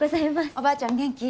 おばあちゃん元気？